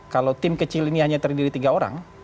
kalau tim kecil ini hanya terdiri tiga orang